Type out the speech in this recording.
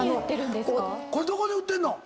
これどこで売ってんの？